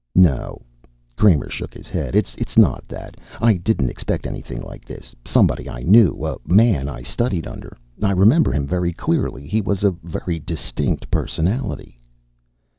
"No." Kramer shook his head. "It's not that. I didn't expect anything like this, somebody I knew, a man I studied under. I remember him very clearly. He was a very distinct personality."